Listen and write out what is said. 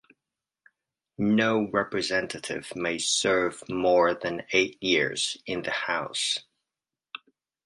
No Representative may serve more than eight years in the House.